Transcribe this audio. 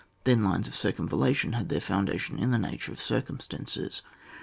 Then lines of circum vallation had their foundation in the nature of circumstances.